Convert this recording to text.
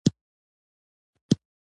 نن سارا ځان یو غړوپ کړی دی.